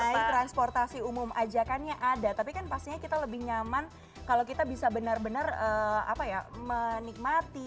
naik transportasi umum ajakannya ada tapi kan pastinya kita lebih nyaman kalau kita bisa benar benar menikmati